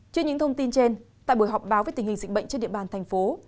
trước những thông tin trên tại buổi họp báo về tình hình dịch bệnh trên địa bàn thành phố